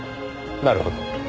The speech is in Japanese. なるほど。